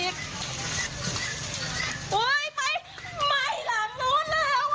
เค้าบอกเค้าบอก